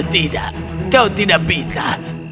tidak kau tidak bisa